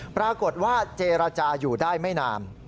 ปรากฏว่าเจรจาอยู่ได้ไม่นาน